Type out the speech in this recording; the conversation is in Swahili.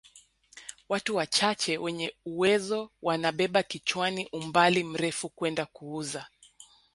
Watu wachache wenye uwezo wanabeba kichwani umbali mrefu kwenda kuuza